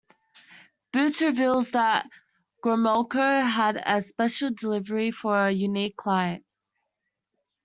Boots reveals that Gromolko had a special delivery for a unique client.